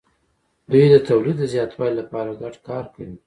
دوی د تولید د زیاتوالي لپاره ګډ کار کوي.